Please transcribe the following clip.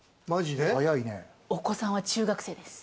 お子さんは中学生です。